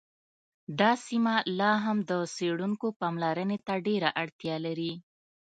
دا سیمه لا هم د څیړونکو پاملرنې ته ډېره اړتیا لري